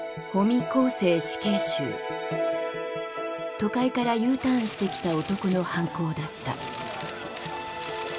都会からＵターンしてきた男の犯行だった。